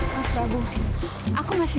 mas prabu aku masih